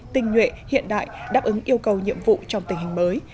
tinh nhuệ hiện đại đáp ứng yêu cầu nhiệm vụ trong tình hình mới